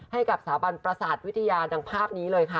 ให้กับสถาบันประสาทวิทยาดังภาพนี้เลยค่ะ